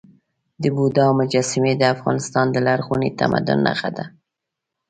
د بودا مجسمې د افغانستان د لرغوني تمدن نښه ده.